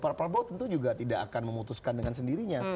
pak prabowo tentu juga tidak akan memutuskan dengan sendirinya